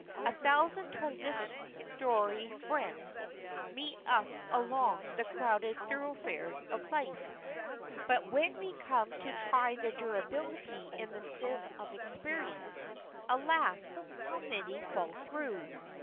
A thousand transitory friends meet us along the crowded thoroughfares of life; but when we come to try their durability in the sieve of experience, alas, how many fall through!